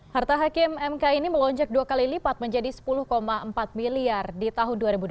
harta hakim mk ini melonjak dua kali lipat menjadi sepuluh empat miliar di tahun dua ribu dua puluh